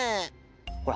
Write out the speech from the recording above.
ほら